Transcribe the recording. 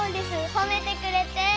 ほめてくれて。